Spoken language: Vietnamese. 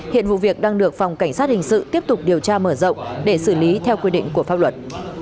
hiện vụ việc đang được phòng cảnh sát hình sự tiếp tục điều tra mở rộng để xử lý theo quy định của pháp luật